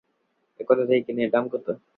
এ কোথা থেকে কেনা, এর দাম কত?